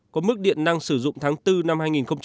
có mức điện năng sử dụng tháng bốn năm hai nghìn một mươi chín